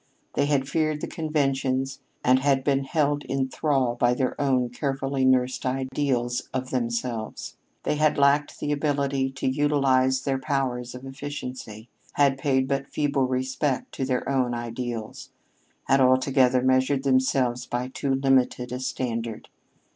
They had feared the conventions, and had been held in thrall by their own carefully nursed ideals of themselves. They had lacked the ability to utilize their powers of efficiency; had paid but feeble respect to their own ideals; had altogether measured themselves by too limited a standard.